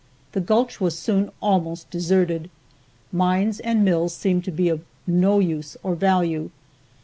The gulch was soon almost deserted. Mines and mills seemed to be of no use or value.